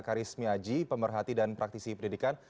pak rizmi haji pemerhati dan praktisi pendidikan